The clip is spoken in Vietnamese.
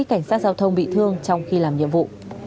cảnh sát giao thông bị thương trong khi làm nhiệm vụ